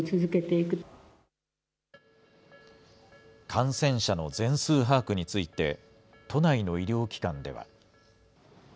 感染者の全数把握について、都内の医療機関では。